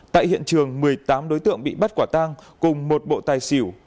tại hiện trường một mươi tám đối tượng bị bắt quả tang cùng một bộ tài xỉu